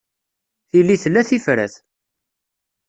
Tili tella tifrat.